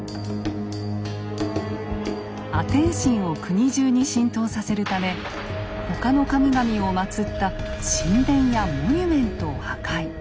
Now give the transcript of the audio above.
アテン神を国中に浸透させるため他の神々をまつった神殿やモニュメントを破壊。